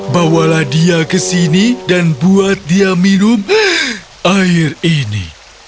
bawalah dia ke sini dan buat dia minum air ini